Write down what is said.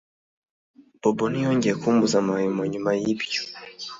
Bobo ntiyongeye kumbuza amahwemo nyuma yibyo